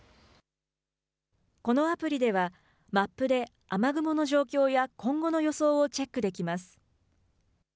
このアプリではマップで雨雲の状況や今後の予想をチェックできます。